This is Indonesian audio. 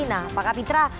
nah pak kapitra